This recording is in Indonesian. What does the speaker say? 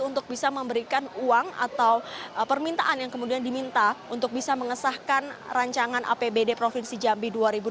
untuk bisa memberikan uang atau permintaan yang kemudian diminta untuk bisa mengesahkan rancangan apbd provinsi jambi dua ribu dua puluh